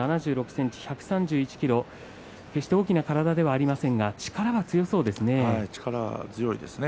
１ｍ７６ｃｍ、１３１ｋｇ決して大きな体ではありませんが力が強そうですね、琴恵光は。